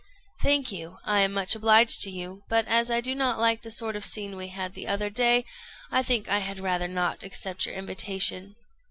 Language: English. "Thank you, I am much obliged to you; but as I do not like the sort of scene we had the other day, I think I had rather not accept your invitation."